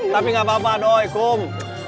tapi gak apa apa doi kum